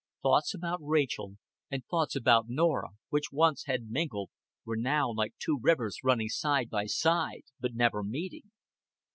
Thoughts about Rachel and thoughts about Norah, which once had mingled, were now like two rivers running side by side but never meeting.